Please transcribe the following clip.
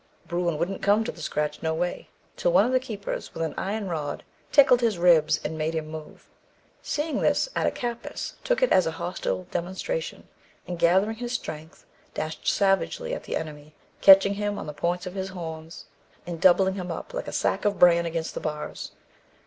Bruin wouldn't come to the scratch no way, till one of the keepers, with an iron rod, tickled his ribs and made him move. Seeing this, Attakapas took it as a hostile demonstration, and, gathering his strength, dashed savagely at the enemy, catching him on the points of his horns, and doubling him up like a sack of bran against the bars.